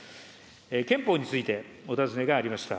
憲法についてお尋ねがありました。